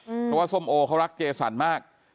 เพราะว่าส้มโอเขารักเจสันมาก